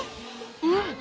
うん。